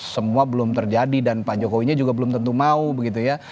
semua belum terjadi dan pak jokowinya juga belum tentu mau begitu ya